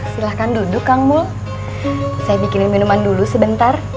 silahkan duduk kang mul saya bikinin minuman dulu sebentar